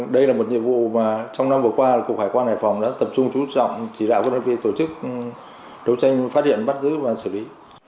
đây là một nhiệm vụ mà trong năm vừa qua cục hải quan hải phòng đã tập trung trú trọng chỉ đạo cho đơn vị tổ chức đấu tranh phát hiện bắt giữ và xử lý